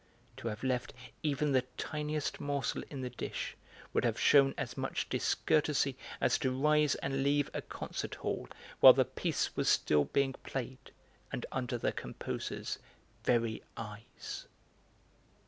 To have left even the tiniest morsel in the dish would have shewn as much discourtesy as to rise and leave a concert hall while the 'piece' was still being played, and under the composer's very eyes.